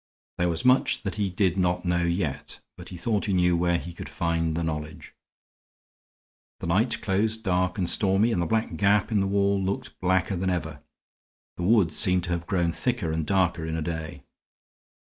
There was much that he did not know yet; but he thought he knew where he could find the knowledge. The night closed dark and stormy and the black gap in the wall looked blacker than ever; the wood seemed to have grown thicker and darker in a day.